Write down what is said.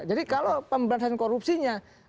jadi kalau pemberantasan korupsinya